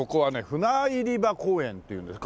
船入場公園っていうんですか？